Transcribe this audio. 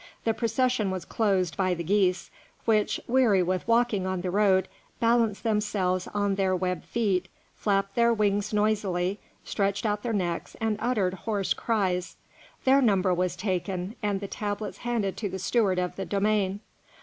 The procession was closed by the geese, which, weary with walking on the road, balanced themselves on their web feet, flapped their wings noisily, stretched out their necks, and uttered hoarse cries. Their number was taken, and the tablets handed to the steward of the domain.